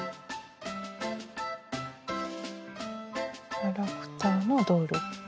キャラクターのドール。